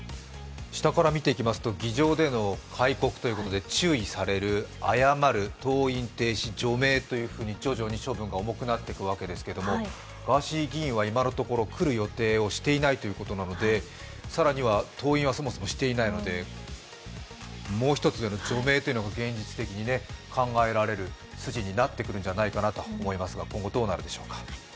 下から見ていきますと、議場での戒告ということで謝る、登院停止、除名というふうに徐々に処分が重くなっていくわけではけど、ガーシー議員は今のところ来る予定をしていないということなので更には登院はそもそもしていないので、もう一つ上の除名というのが考えられる筋になってくるんじゃないかなと思いますが今後どうなるでしょうか。